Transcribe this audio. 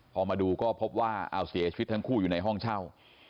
พอมาดูก็พบว่าเอาเสียชีวิตทั้งคู่อยู่ในห้องเช่า